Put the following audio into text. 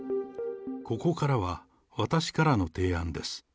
ここからは、私からの提案です。